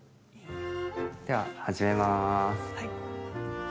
では、始めます。